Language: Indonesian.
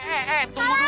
eh eh tunggu dulu dong